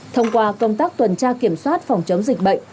thông qua công tác tuần tra kiểm soát phòng chống dịch bệnh